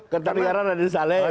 kertanegara raden saleh